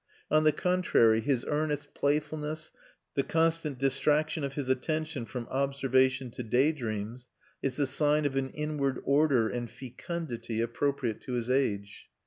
On the contrary, his earnest playfulness, the constant distraction of his attention from observation to daydreams, is the sign of an inward order and fecundity appropriate to his age.